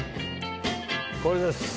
これです。